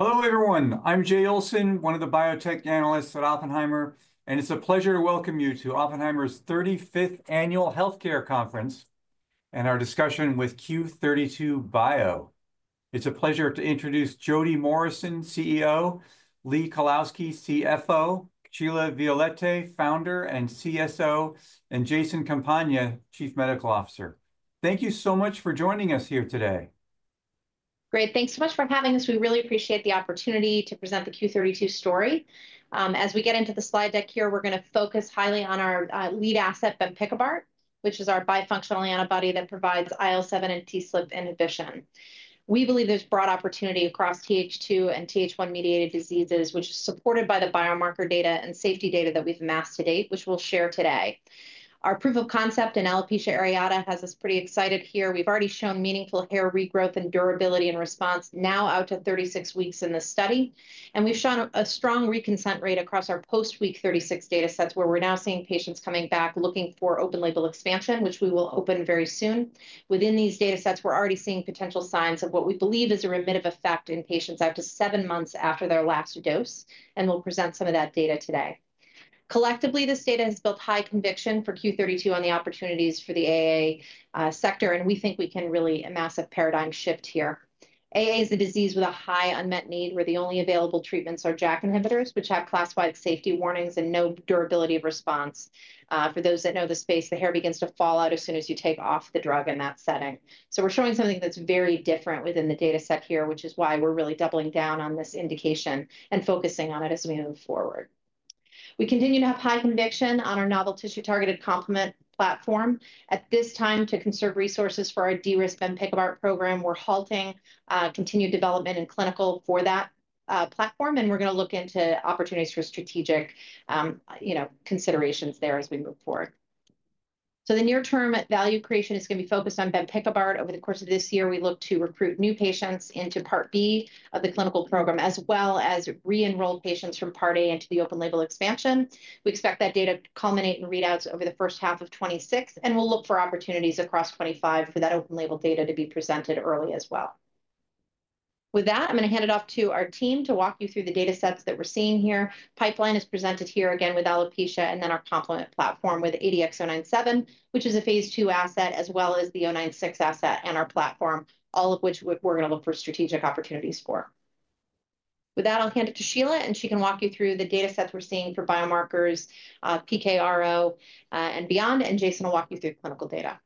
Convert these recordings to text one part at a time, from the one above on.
Hello, everyone. I'm Jay Olson, one of the biotech analysts at Oppenheimer, and it's a pleasure to welcome you to Oppenheimer's 35th Annual Healthcare Conference and our discussion with Q32 Bio. It's a pleasure to introduce Jodie Morrison, CEO, Lee Kalowski, CFO, Sheila Violette, founder and CSO, and Jason Campagna, Chief Medical Officer. Thank you so much for joining us here today. Great. Thanks so much for having us. We really appreciate the opportunity to present the Q32 story. As we get into the slide deck here, we're going to focus highly on our lead asset, bempikibart, which is our bifunctional antibody that provides IL-7 and TSLP inhibition. We believe there's broad opportunity across TH2 and TH1-mediated diseases, which is supported by the biomarker data and safety data that we've amassed to date, which we'll share today. Our proof of concept in alopecia areata has us pretty excited here. We've already shown meaningful hair regrowth and durability in response, now out to 36 weeks in this study. We've shown a strong reconsent rate across our post-week 36 data sets, where we're now seeing patients coming back looking for open label expansion, which we will open very soon. Within these data sets, we're already seeing potential signs of what we believe is a remissive effect in patients after seven months after their last dose, and we'll present some of that data today. Collectively, this data has built high conviction for Q32 on the opportunities for the AA sector, and we think we can really amass a paradigm shift here. AA is a disease with a high unmet need, where the only available treatments are JAK inhibitors, which have classified safety warnings and no durability of response. For those that know the space, the hair begins to fall out as soon as you take off the drug in that setting. We're showing something that's very different within the data set here, which is why we're really doubling down on this indication and focusing on it as we move forward. We continue to have high conviction on our novel tissue-targeted complement platform. At this time, to conserve resources for our de-risk bempikibart program, we're halting continued development and clinical for that platform, and we're going to look into opportunities for strategic considerations there as we move forward. The near-term value creation is going to be focused on bempikibart. Over the course of this year, we look to recruit new patients into Part B of the clinical program, as well as re-enroll patients from Part A into the open label expansion. We expect that data to culminate in readouts over the first half of 2026, and we'll look for opportunities across 2025 for that open label data to be presented early as well. With that, I'm going to hand it off to our team to walk you through the data sets that we're seeing here. Pipeline is presented here again with alopecia and then our complement platform with ADX097, which is a phase II asset, as well as the 096 asset and our platform, all of which we are going to look for strategic opportunities for. With that, I will hand it to Sheila, and she can walk you through the data sets we are seeing for biomarkers, PK/RO, and beyond, and Jason will walk you through clinical data.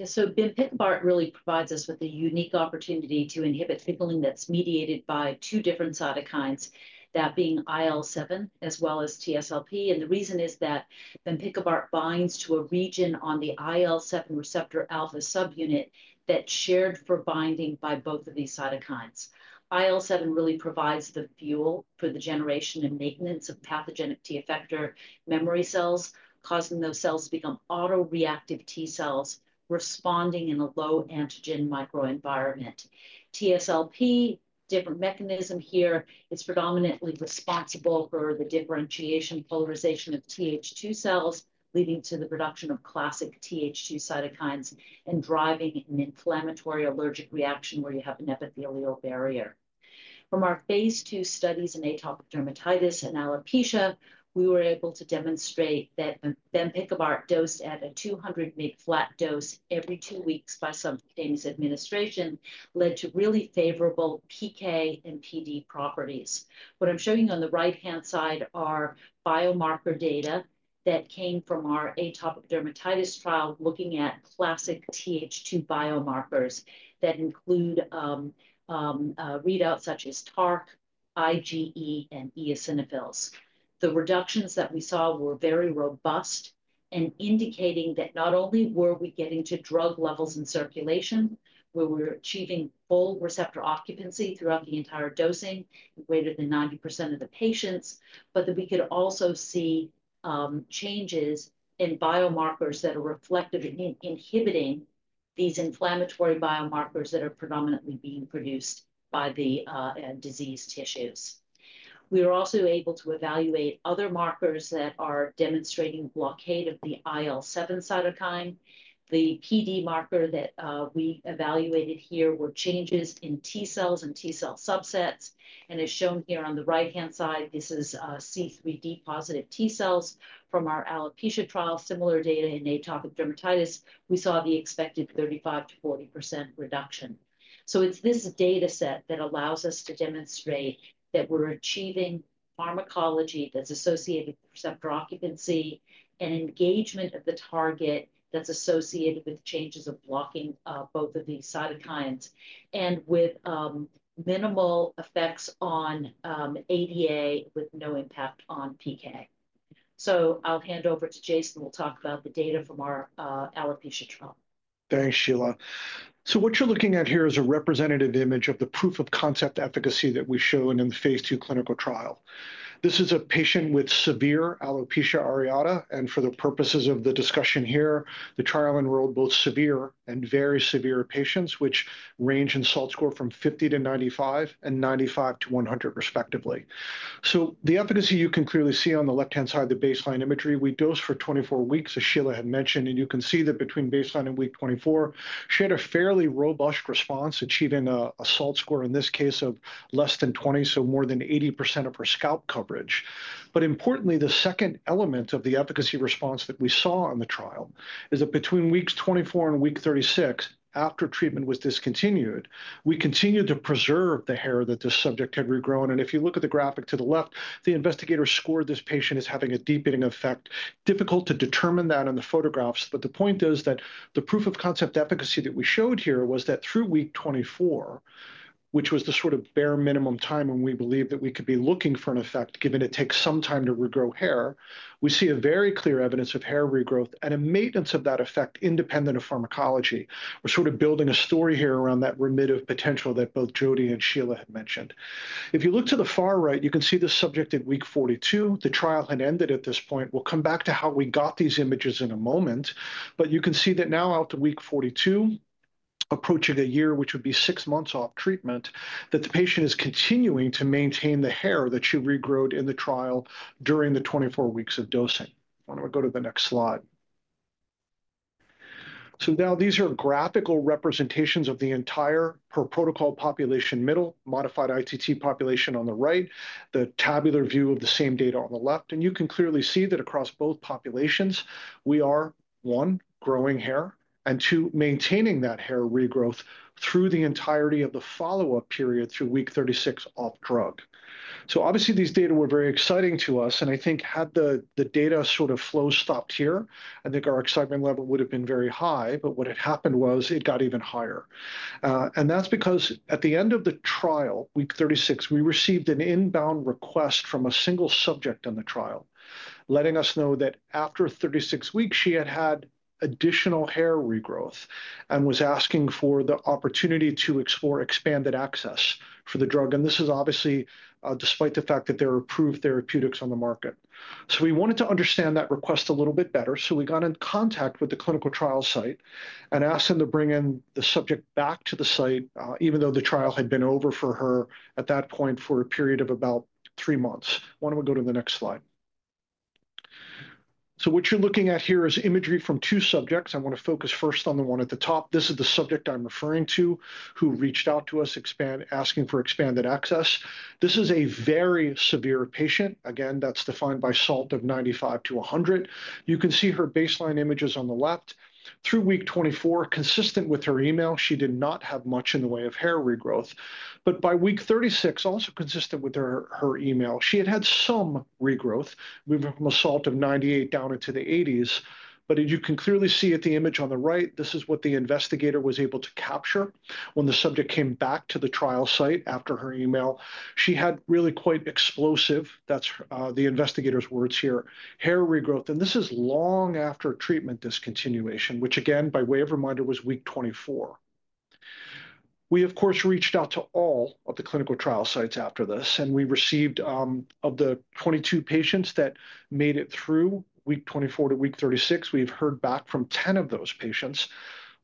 Yeah, so bempikibart really provides us with a unique opportunity to inhibit signaling that's mediated by two different cytokines, that being IL-7 as well as TSLP. The reason is that bempikibart binds to a region on the IL-7 receptor alpha subunit that's shared for binding by both of these cytokines. IL-7 really provides the fuel for the generation and maintenance of pathogenic T effector memory cells, causing those cells to become autoreactive T cells responding in a low-antigen microenvironment. TSLP, different mechanism here, is predominantly responsible for the differentiation polarization of TH2 cells, leading to the production of classic TH2 cytokines and driving an inflammatory allergic reaction where you have an epithelial barrier. From our phase II studies in atopic dermatitis and alopecia, we were able to demonstrate that bempikibart dosed at a 200 mg flat dose every two weeks by subcutaneous administration led to really favorable PK and PD properties. What I'm showing you on the right-hand side are biomarker data that came from our atopic dermatitis trial looking at classic TH2 biomarkers that include readouts such as TARC, IgE, and eosinophils. The reductions that we saw were very robust and indicating that not only were we getting to drug levels in circulation, where we were achieving full receptor occupancy throughout the entire dosing in greater than 90% of the patients, but that we could also see changes in biomarkers that are reflective in inhibiting these inflammatory biomarkers that are predominantly being produced by the disease tissues. We were also able to evaluate other markers that are demonstrating blockade of the IL-7 cytokine. The PD marker that we evaluated here were changes in T cells and T cell subsets, and as shown here on the right-hand side, this is CD3 positive T cells from our alopecia trial. Similar data in atopic dermatitis, we saw the expected 35%-40% reduction. It is this data set that allows us to demonstrate that we're achieving pharmacology that's associated with receptor occupancy and engagement of the target that's associated with changes of blocking both of these cytokines and with minimal effects on ADA with no impact on PK. I'll hand over to Jason, and we'll talk about the data from our alopecia trial. Thanks, Sheila. What you're looking at here is a representative image of the proof of concept efficacy that we showed in the phase II clinical trial. This is a patient with severe alopecia areata, and for the purposes of the discussion here, the trial enrolled both severe and very severe patients, which range in SALT score from 50-95 and 95-100, respectively. The efficacy you can clearly see on the left-hand side of the baseline imagery, we dosed for 24 weeks, as Sheila had mentioned, and you can see that between baseline and week 24, she had a fairly robust response, achieving a SALT score in this case of less than 20, so more than 80% of her scalp coverage. Importantly, the second element of the efficacy response that we saw in the trial is that between weeks 24 and week 36, after treatment was discontinued, we continued to preserve the hair that this subject had regrown. If you look at the graphic to the left, the investigator scored this patient as having a deepening effect. Difficult to determine that in the photographs, but the point is that the proof of concept efficacy that we showed here was that through week 24, which was the sort of bare minimum time when we believed that we could be looking for an effect given it takes some time to regrow hair, we see very clear evidence of hair regrowth and a maintenance of that effect independent of pharmacology. We're sort of building a story here around that remissive potential that both Jodie and Sheila had mentioned. If you look to the far right, you can see the subject at week 42. The trial had ended at this point. We'll come back to how we got these images in a moment, but you can see that now out to week 42, approaching a year, which would be six months off treatment, that the patient is continuing to maintain the hair that she regrew in the trial during the 24 weeks of dosing. Why don't we go to the next slide? Now these are graphical representations of the entire per protocol population, middle modified ITT population on the right, the tabular view of the same data on the left. You can clearly see that across both populations, we are, one, growing hair, and two, maintaining that hair regrowth through the entirety of the follow-up period through week 36 off drug. Obviously, these data were very exciting to us, and I think had the data sort of flow stopped here, I think our excitement level would have been very high, but what had happened was it got even higher. That is because at the end of the trial, week 36, we received an inbound request from a single subject in the trial letting us know that after 36 weeks, she had had additional hair regrowth and was asking for the opportunity to explore expanded access for the drug. This is obviously despite the fact that there are approved therapeutics on the market. We wanted to understand that request a little bit better, so we got in contact with the clinical trial site and asked them to bring the subject back to the site, even though the trial had been over for her at that point for a period of about three months. Why don't we go to the next slide? What you're looking at here is imagery from two subjects. I want to focus first on the one at the top. This is the subject I'm referring to who reached out to us asking for expanded access. This is a very severe patient. Again, that's defined by SALT of 95-100. You can see her baseline images on the left. Through week 24, consistent with her email, she did not have much in the way of hair regrowth. By week 36, also consistent with her email, she had had some regrowth. We went from a SALT of 98 down into the 80s, but you can clearly see at the image on the right, this is what the investigator was able to capture. When the subject came back to the trial site after her email, she had really quite explosive, that's the investigator's words here, hair regrowth. This is long after treatment discontinuation, which again, by way of reminder, was week 24. We, of course, reached out to all of the clinical trial sites after this, and we received, of the 22 patients that made it through week 24 to week 36, we've heard back from 10 of those patients.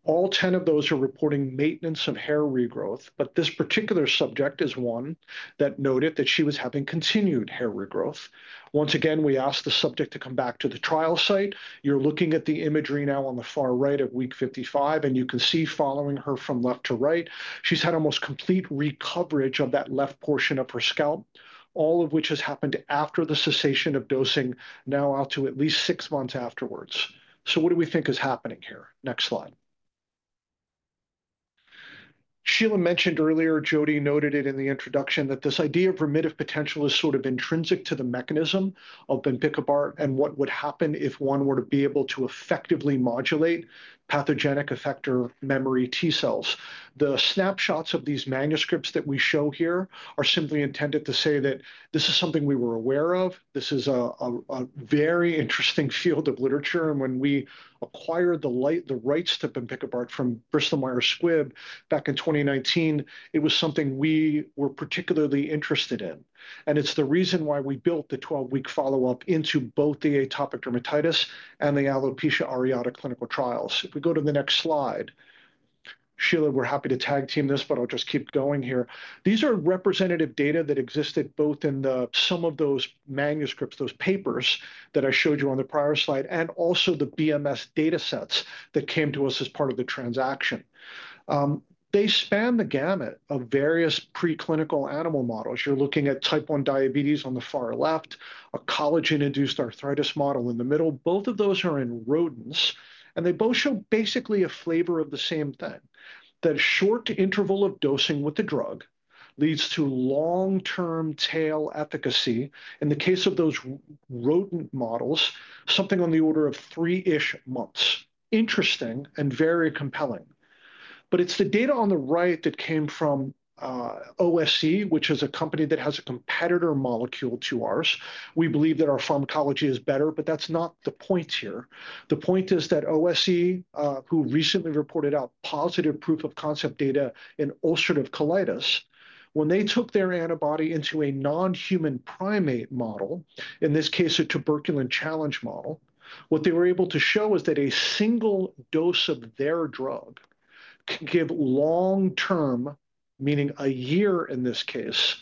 All 10 of those are reporting maintenance of hair regrowth, but this particular subject is one that noted that she was having continued hair regrowth. Once again, we asked the subject to come back to the trial site. You're looking at the imagery now on the far right of week 55, and you can see following her from left to right, she's had almost complete recoverage of that left portion of her scalp, all of which has happened after the cessation of dosing, now out to at least six months afterwards. What do we think is happening here? Next slide. Sheila mentioned earlier, Jodie noted it in the introduction, that this idea of remissive potential is sort of intrinsic to the mechanism of bempikibart and what would happen if one were to be able to effectively modulate pathogenic effector memory T cells. The snapshots of these manuscripts that we show here are simply intended to say that this is something we were aware of. This is a very interesting field of literature, and when we acquired the rights to bempikibart from Bristol-Myers Squibb back in 2019, it was something we were particularly interested in. It is the reason why we built the 12-week follow-up into both the atopic dermatitis and the alopecia areata clinical trials. If we go to the next slide, Sheila, we are happy to tag team this, but I will just keep going here. These are representative data that existed both in the, some of those manuscripts, those papers that I showed you on the prior slide, and also the BMS data sets that came to us as part of the transaction. They span the gamut of various preclinical animal models. You are looking at type 1 diabetes on the far left, a collagen-induced arthritis model in the middle. Both of those are in rodents, and they both show basically a flavor of the same thing, that a short interval of dosing with the drug leads to long-term tail efficacy. In the case of those rodent models, something on the order of three-ish months. Interesting and very compelling. It is the data on the right that came from OSE, which is a company that has a competitor molecule to ours. We believe that our pharmacology is better, but that's not the point here. The point is that OSE, who recently reported out positive proof of concept data in ulcerative colitis, when they took their antibody into a non-human primate model, in this case, a tuberculin challenge model, what they were able to show is that a single dose of their drug can give long-term, meaning a year in this case,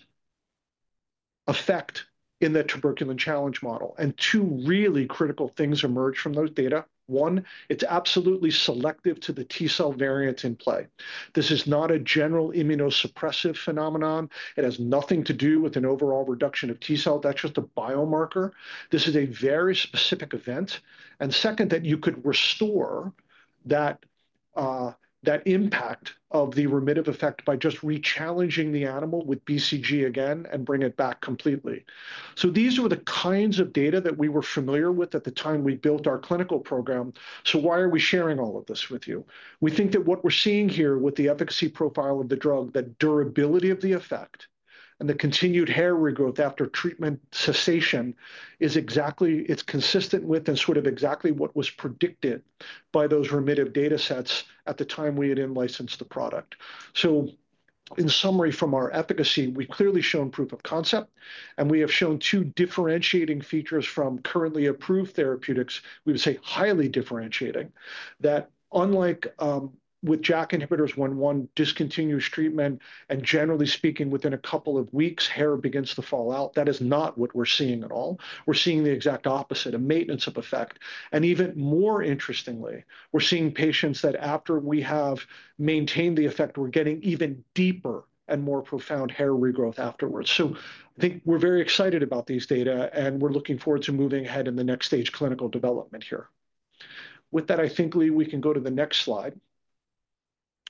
effect in the tuberculin challenge model. Two really critical things emerged from those data. One, it's absolutely selective to the T cell variant in play. This is not a general immunosuppressive phenomenon. It has nothing to do with an overall reduction of T cell. That's just a biomarker. This is a very specific event. Second, that you could restore that impact of the remissive effect by just re-challenging the animal with BCG again and bring it back completely. These were the kinds of data that we were familiar with at the time we built our clinical program. Why are we sharing all of this with you? We think that what we're seeing here with the efficacy profile of the drug, the durability of the effect, and the continued hair regrowth after treatment cessation is exactly, it's consistent with and sort of exactly what was predicted by those remissive data sets at the time we had licensed the product. In summary from our efficacy, we've clearly shown proof of concept, and we have shown two differentiating features from currently approved therapeutics. We would say highly differentiating that unlike with JAK inhibitors, when one discontinues treatment and generally speaking, within a couple of weeks, hair begins to fall out, that is not what we're seeing at all. We're seeing the exact opposite, a maintenance of effect. Even more interestingly, we're seeing patients that after we have maintained the effect, we're getting even deeper and more profound hair regrowth afterwards. I think we're very excited about these data, and we're looking forward to moving ahead in the next stage clinical development here. With that, I think, Lee, we can go to the next slide.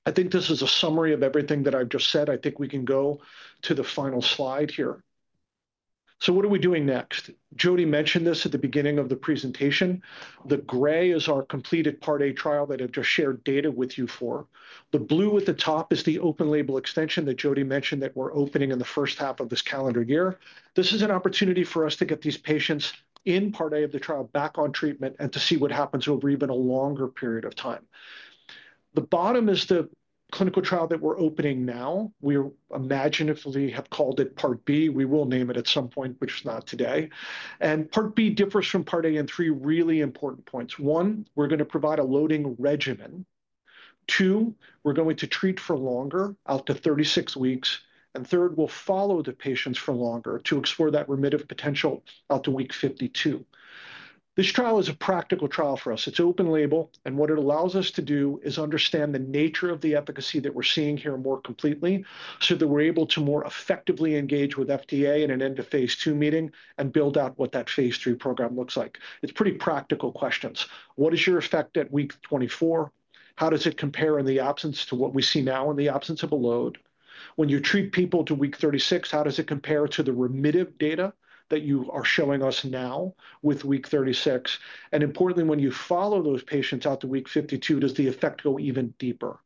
I think this is a summary of everything that I've just said. I think we can go to the final slide here. What are we doing next? Jodie mentioned this at the beginning of the presentation. The gray is our completed Part A trial that I've just shared data with you for. The blue at the top is the open label extension that Jodie mentioned that we're opening in the first half of this calendar year. This is an opportunity for us to get these patients in Part A of the trial back on treatment and to see what happens over even a longer period of time. The bottom is the clinical trial that we're opening now. We imaginatively have called it Part B. We will name it at some point, which is not today. Part B differs from Part A in three really important points. One, we're going to provide a loading regimen. Two, we're going to treat for longer out to 36 weeks. Third, we'll follow the patients for longer to explore that remissive potential out to week 52. This trial is a practical trial for us. It's open label, and what it allows us to do is understand the nature of the efficacy that we're seeing here more completely so that we're able to more effectively engage with FDA in an end-of-phase II meeting and build out what that phase III program looks like. It's pretty practical questions. What is your effect at week 24? How does it compare in the absence to what we see now in the absence of a load? When you treat people to week 36, how does it compare to the remissive data that you are showing us now with week 36? Importantly, when you follow those patients out to week 52, does the effect go even deeper?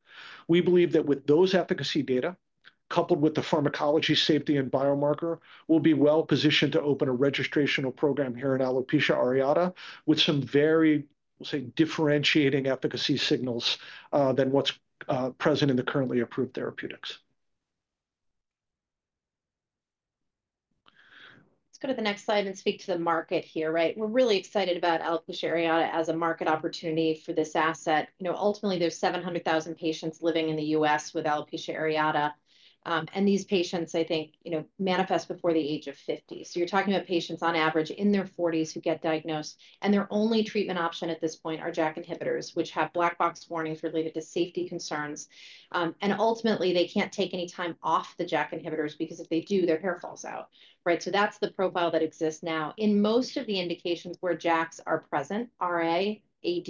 We believe that with those efficacy data coupled with the pharmacology safety and biomarker, we'll be well positioned to open a registration program here in alopecia areata with some very, we'll say, differentiating efficacy signals than what's present in the currently approved therapeutics. Let's go to the next slide and speak to the market here, right? We're really excited about alopecia areata as a market opportunity for this asset. Ultimately, there's 700,000 patients living in the US with alopecia areata, and these patients, I think, manifest before the age of 50. You're talking about patients on average in their 40s who get diagnosed, and their only treatment option at this point are JAK inhibitors, which have black box warnings related to safety concerns. Ultimately, they can't take any time off the JAK inhibitors because if they do, their hair falls out, right? That's the profile that exists now. In most of the indications where JAKs are present, RA, AD,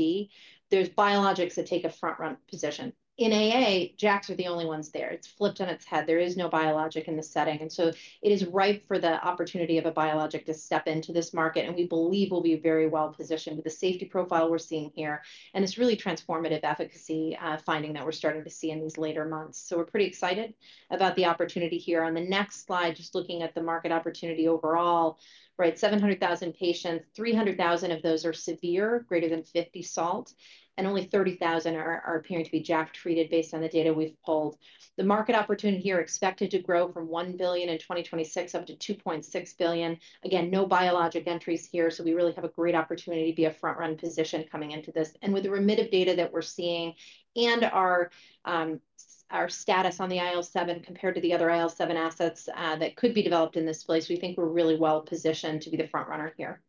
there's biologics that take a front-run position. In AA, JAKs are the only ones there. It's flipped on its head. There is no biologic in the setting. It is ripe for the opportunity of a biologic to step into this market, and we believe we'll be very well positioned with the safety profile we're seeing here. It's really transformative efficacy finding that we're starting to see in these later months. We're pretty excited about the opportunity here. On the next slide, just looking at the market opportunity overall, right? 700,000 patients, 300,000 of those are severe, greater than 50 SALT, and only 30,000 are appearing to be JAK treated based on the data we've pulled. The market opportunity here is expected to grow from $1 billion in 2026 up to $2.6 billion. Again, no biologic entries here, so we really have a great opportunity to be a front-run position coming into this. With the remissive data that we're seeing and our status on the IL-7 compared to the other IL-7 assets that could be developed in this place, we think we're really well positioned to be the front runner here.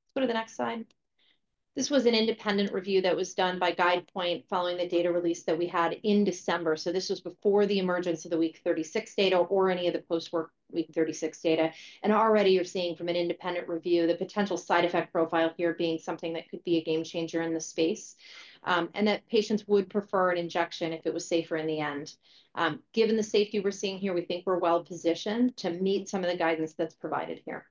Let's go to the next slide. This was an independent review that was done by Guidepoint following the data release that we had in December. This was before the emergence of the week 36 data or any of the post-week 36 data. Already you're seeing from an independent review the potential side effect profile here being something that could be a game changer in the space and that patients would prefer an injection if it was safer in the end. Given the safety we're seeing here, we think we're well positioned to meet some of the guidance that's provided here.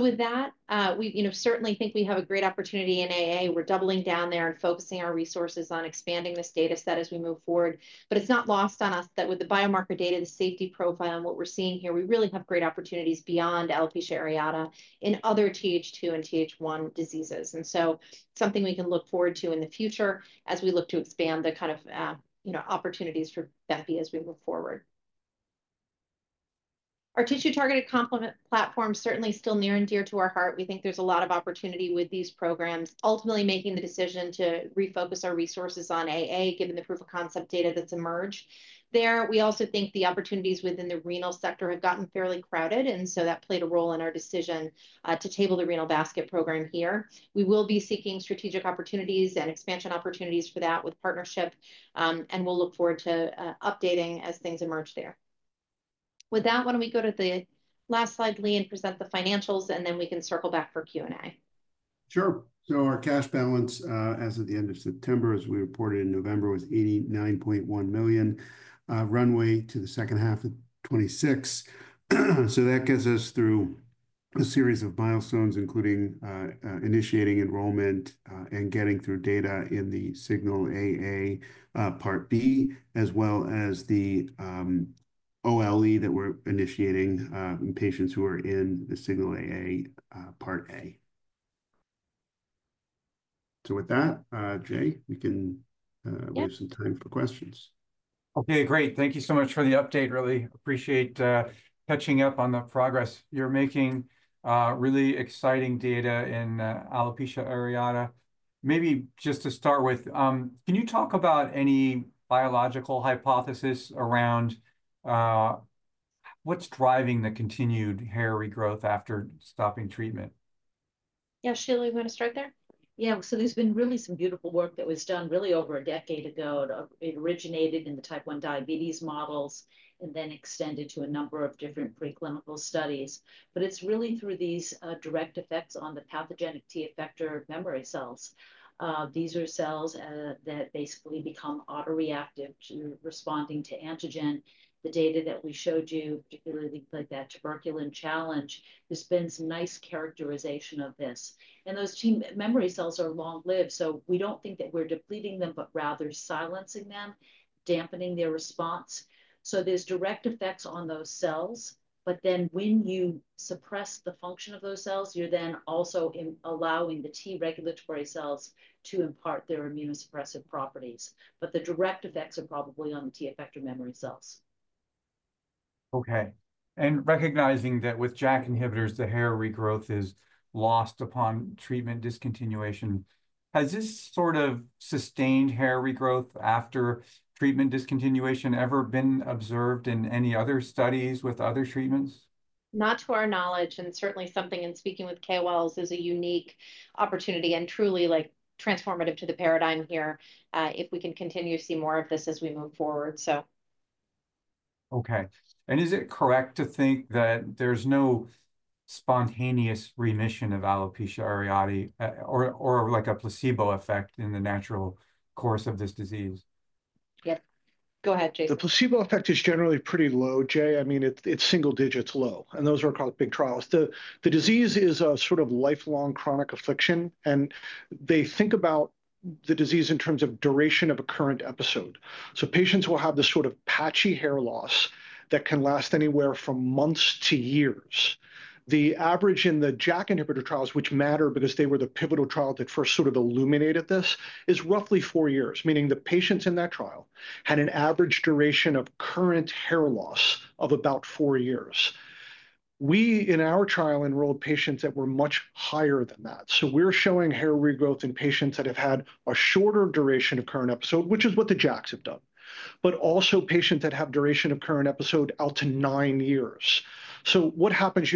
With that, we certainly think we have a great opportunity in AA. We're doubling down there and focusing our resources on expanding this data set as we move forward. It's not lost on us that with the biomarker data, the safety profile, and what we're seeing here, we really have great opportunities beyond alopecia areata in other TH2 and TH1 diseases. Something we can look forward to in the future as we look to expand the kind of opportunities for Bempi as we move forward. Our tissue-targeted complement platform is certainly still near and dear to our heart. We think there's a lot of opportunity with these programs, ultimately making the decision to refocus our resources on AA given the proof of concept data that's emerged there. We also think the opportunities within the renal sector have gotten fairly crowded, and so that played a role in our decision to table the renal basket program here. We will be seeking strategic opportunities and expansion opportunities for that with partnership, and we'll look forward to updating as things emerge there. With that, why don't we go to the last slide, Lee, and present the financials, and then we can circle back for Q&A. Sure. Our cash balance as of the end of September, as we reported in November, was $89.1 million runway to the second half of 2026. That gets us through a series of milestones, including initiating enrollment and getting through data in the SIGNAL-AA Part B, as well as the OLE that we're initiating in patients who are in the SIGNAL-AA Part A. With that, Jay, we can leave some time for questions. Okay, great. Thank you so much for the update. Really appreciate catching up on the progress you're making. Really exciting data in alopecia areata. Maybe just to start with, can you talk about any biological hypothesis around what's driving the continued hair regrowth after stopping treatment? Yeah, Sheila, you want to start there? Yeah. There's been really some beautiful work that was done really over a decade ago. It originated in the type 1 diabetes models and then extended to a number of different preclinical studies. It's really through these direct effects on the pathogenic T effector memory cells. These are cells that basically become autoreactive to responding to antigen. The data that we showed you, particularly like that tuberculin challenge, there's been some nice characterization of this. Those memory cells are long-lived, so we don't think that we're depleting them, but rather silencing them, dampening their response. There's direct effects on those cells, but when you suppress the function of those cells, you're then also allowing the T regulatory cells to impart their immunosuppressive properties. The direct effects are probably on the T effector memory cells. Okay. Recognizing that with JAK inhibitors, the hair regrowth is lost upon treatment discontinuation, has this sort of sustained hair regrowth after treatment discontinuation ever been observed in any other studies with other treatments? Not to our knowledge, and certainly something in speaking with KOLs is a unique opportunity and truly transformative to the paradigm here if we can continue to see more of this as we move forward. Okay. Is it correct to think that there's no spontaneous remission of alopecia areata or like a placebo effect in the natural course of this disease? Yep. Go ahead, Jason. The placebo effect is generally pretty low, Jay. I mean, it's single digits low, and those are called big trials. The disease is a sort of lifelong chronic affliction, and they think about the disease in terms of duration of a current episode. Patients will have this sort of patchy hair loss that can last anywhere from months to years. The average in the JAK inhibitor trials, which matter because they were the pivotal trial that first sort of illuminated this, is roughly four years, meaning the patients in that trial had an average duration of current hair loss of about four years. We, in our trial, enrolled patients that were much higher than that. We are showing hair regrowth in patients that have had a shorter duration of current episode, which is what the JAKs have done, but also patients that have duration of current episode out to nine years. You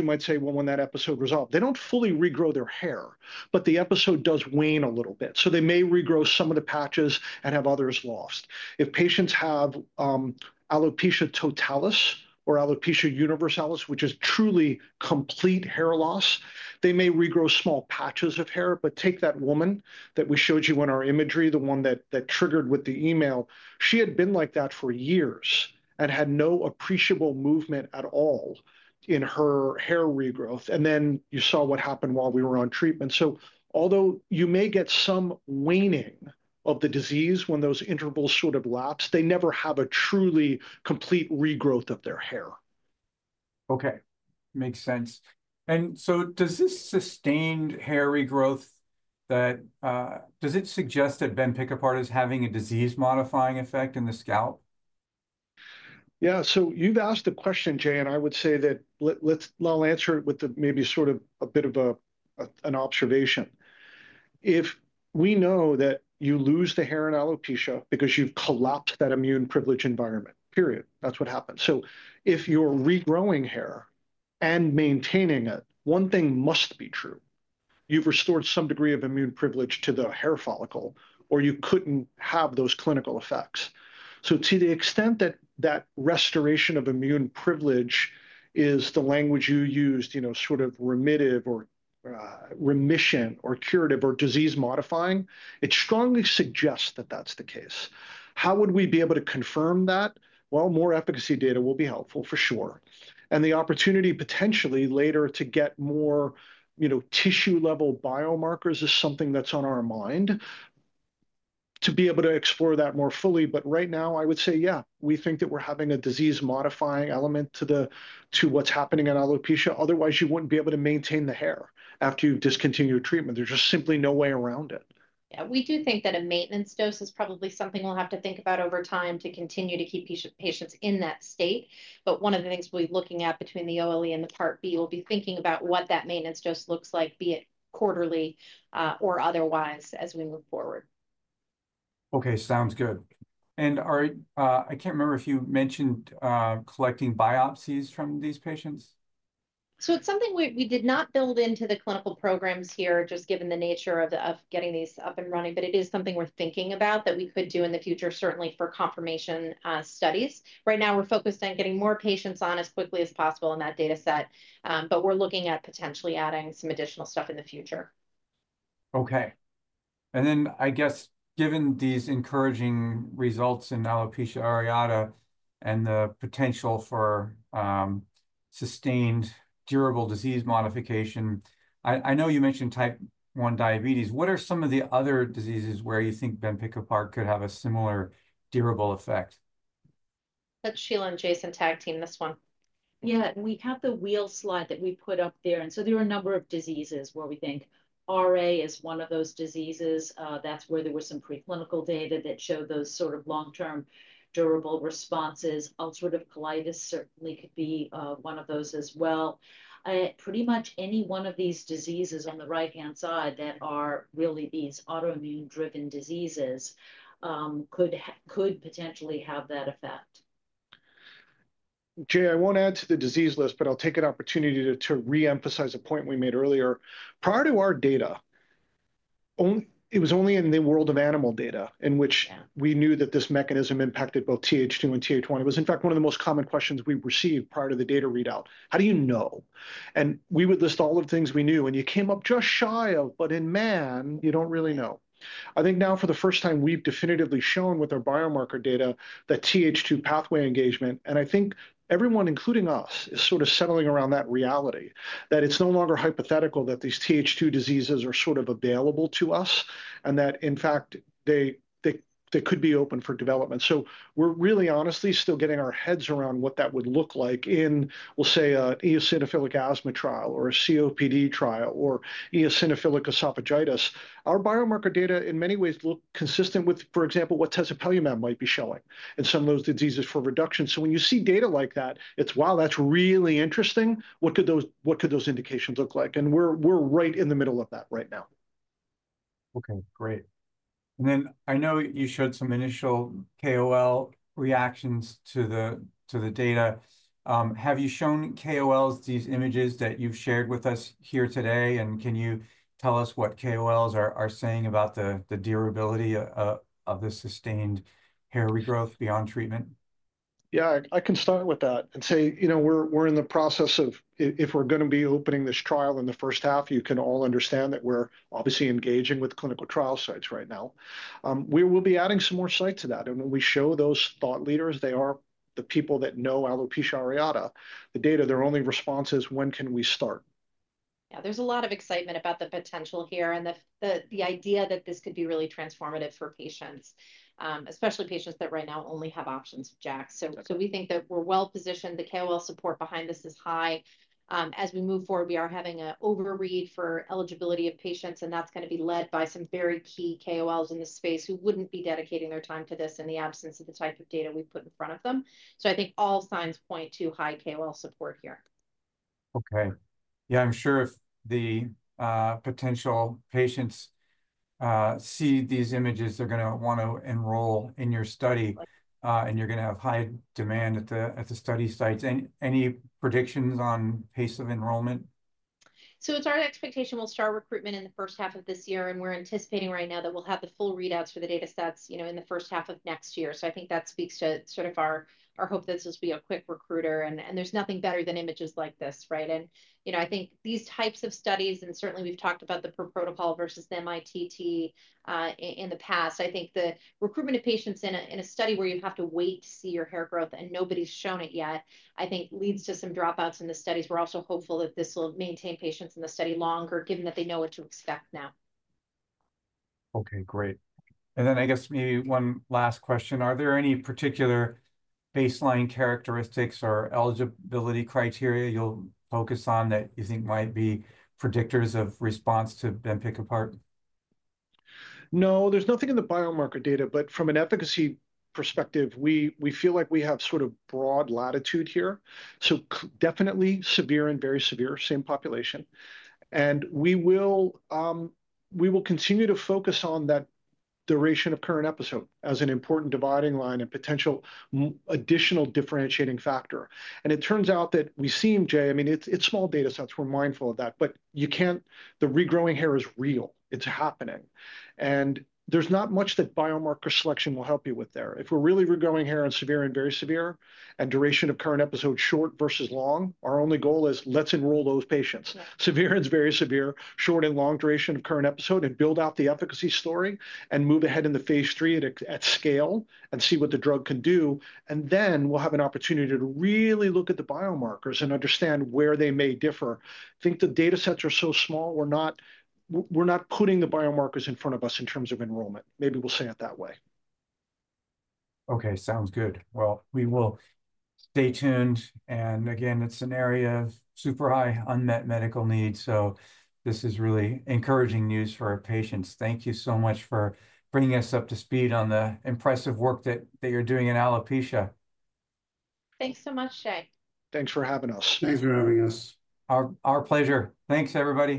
might say, when that episode resolved? They do not fully regrow their hair, but the episode does wane a little bit. They may regrow some of the patches and have others lost. If patients have alopecia totalis or alopecia universalis, which is truly complete hair loss, they may regrow small patches of hair. Take that woman that we showed you in our imagery, the one that triggered with the email. She had been like that for years and had no appreciable movement at all in her hair regrowth. You saw what happened while we were on treatment. Although you may get some waning of the disease when those intervals sort of lapse, they never have a truly complete regrowth of their hair. Okay. Makes sense. Does this sustained hair regrowth, does it suggest that bempikibart is having a disease-modifying effect in the scalp? Yeah. You have asked the question, Jay, and I would say that I'll answer it with maybe sort of a bit of an observation. If we know that you lose the hair in alopecia because you've collapsed that immune privilege environment, period, that's what happens. If you're regrowing hair and maintaining it, one thing must be true. You've restored some degree of immune privilege to the hair follicle, or you couldn't have those clinical effects. To the extent that that restoration of immune privilege is the language you used, sort of remissive or remission or curative or disease-modifying, it strongly suggests that that's the case. How would we be able to confirm that? More efficacy data will be helpful for sure. The opportunity potentially later to get more tissue-level biomarkers is something that's on our mind to be able to explore that more fully. Right now, I would say, yeah, we think that we're having a disease-modifying element to what's happening in alopecia. Otherwise, you wouldn't be able to maintain the hair after you've discontinued treatment. There's just simply no way around it. Yeah. We do think that a maintenance dose is probably something we'll have to think about over time to continue to keep patients in that state. One of the things we'll be looking at between the OLE and the Part B will be thinking about what that maintenance dose looks like, be it quarterly or otherwise as we move forward. Okay. Sounds good. I can't remember if you mentioned collecting biopsies from these patients. It's something we did not build into the clinical programs here, just given the nature of getting these up and running, but it is something we're thinking about that we could do in the future, certainly for confirmation studies. Right now, we're focused on getting more patients on as quickly as possible in that data set, but we're looking at potentially adding some additional stuff in the future. Okay. I guess, given these encouraging results in alopecia areata and the potential for sustained durable disease modification, I know you mentioned type 1 diabetes. What are some of the other diseases where you think bempikibart could have a similar durable effect? That's Sheila and Jason tag team this one. Yeah. We have the wheel slide that we put up there. There are a number of diseases where we think RA is one of those diseases. That's where there were some preclinical data that showed those sort of long-term durable responses. Ulcerative colitis certainly could be one of those as well. Pretty much any one of these diseases on the right-hand side that are really these autoimmune-driven diseases could potentially have that effect. Jay, I won't add to the disease list, but I'll take an opportunity to re-emphasize a point we made earlier. Prior to our data, it was only in the world of animal data in which we knew that this mechanism impacted both TH2 and TH1. It was, in fact, one of the most common questions we received prior to the data readout. How do you know? And we would list all the things we knew, and you came up just shy of, but in man, you don't really know. I think now for the first time, we've definitively shown with our biomarker data that TH2 pathway engagement, and I think everyone, including us, is sort of settling around that reality that it's no longer hypothetical that these TH2 diseases are sort of available to us and that, in fact, they could be open for development. We are really honestly still getting our heads around what that would look like in, we'll say, an eosinophilic asthma trial or a COPD trial or eosinophilic esophagitis. Our biomarker data in many ways look consistent with, for example, what tezopelumab might be showing in some of those diseases for reduction. When you see data like that, it's, wow, that's really interesting. What could those indications look like? We are right in the middle of that right now. Okay. Great. I know you showed some initial KOL reactions to the data. Have you shown KOLs these images that you've shared with us here today? Can you tell us what KOLs are saying about the durability of the sustained hair regrowth beyond treatment? Yeah, I can start with that and say we're in the process of, if we're going to be opening this trial in the first half, you can all understand that we're obviously engaging with clinical trial sites right now. We will be adding some more sites to that. When we show those thought leaders, they are the people that know alopecia areata, the data, their only response is, when can we start? Yeah, there's a lot of excitement about the potential here and the idea that this could be really transformative for patients, especially patients that right now only have options of JAKs. We think that we're well positioned. The KOL support behind this is high. As we move forward, we are having an overread for eligibility of patients, and that's going to be led by some very key KOLs in this space who wouldn't be dedicating their time to this in the absence of the type of data we put in front of them. I think all signs point to high KOL support here. Okay. Yeah, I'm sure if the potential patients see these images, they're going to want to enroll in your study, and you're going to have high demand at the study sites. Any predictions on pace of enrollment? It's our expectation. We'll start recruitment in the first half of this year, and we're anticipating right now that we'll have the full readouts for the data sets in the first half of next year. I think that speaks to sort of our hope that this will be a quick recruiter, and there's nothing better than images like this, right? I think these types of studies, and certainly we've talked about the per protocol versus the MITT in the past, I think the recruitment of patients in a study where you have to wait to see your hair growth and nobody's shown it yet, I think leads to some dropouts in the studies. We're also hopeful that this will maintain patients in the study longer, given that they know what to expect now. Okay. Great. I guess maybe one last question. Are there any particular baseline characteristics or eligibility criteria you'll focus on that you think might be predictors of response to bempikibart? No, there's nothing in the biomarker data, but from an efficacy perspective, we feel like we have sort of broad latitude here. Definitely severe and very severe, same population. We will continue to focus on that duration of current episode as an important dividing line and potential additional differentiating factor. It turns out that we seem, Jay, I mean, it's small data sets. We're mindful of that, but the regrowing hair is real. It's happening. There's not much that biomarker selection will help you with there. If we're really regrowing hair in severe and very severe and duration of current episode short versus long, our only goal is let's enroll those patients. Severe and very severe, short and long duration of current episode and build out the efficacy story and move ahead in the phase III at scale and see what the drug can do. We will have an opportunity to really look at the biomarkers and understand where they may differ. I think the data sets are so small, we're not putting the biomarkers in front of us in terms of enrollment. Maybe we'll say it that way. Okay. Sounds good. We will stay tuned. Again, it's an area of super high unmet medical need. This is really encouraging news for our patients. Thank you so much for bringing us up to speed on the impressive work that you're doing in alopecia. Thanks so much, Jay. Thanks for having us. Thanks for having us. Our pleasure. Thanks, everybody.